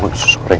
bangun susu goreng